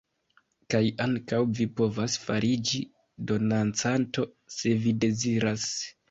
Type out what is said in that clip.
Kaj ankaŭ vi povas fariĝi donancanto se vi deziras.